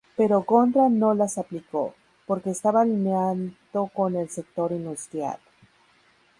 Pero Gondra no las aplicó, porque estaba alineado con el sector industrial.